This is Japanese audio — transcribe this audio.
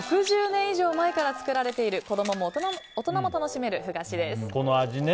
６０年以上前から作られている子供も大人も楽しめるこの味ね。